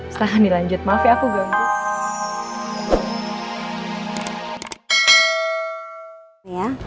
silahkan dilanjut maaf ya aku ga lanjut